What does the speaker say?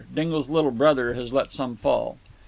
Dingle's little brother has let some fall."